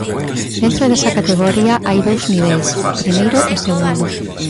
Dentro desa categoría hai dous 'niveis': primeiro e segundo.